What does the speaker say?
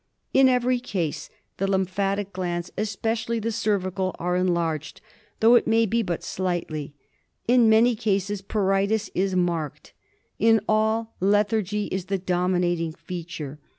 In every case the lymphatic glands, especially the cervical, are enlarged, though it may be but slightly. In many cases pruritus is marked. Iji all lethargy is the dominating feature.